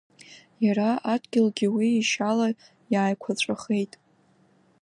Иара адгьылгьы уи ишьала иааиқәаҵәахеит.